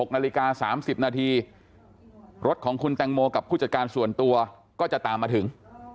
นาฬิกา๓๐นาทีรถของคุณแตงโมกับผู้จัดการส่วนตัวก็จะตามมาถึง